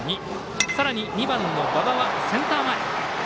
さらに２番の馬場はセンター前。